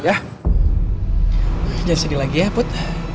jangan sedih lagi ya put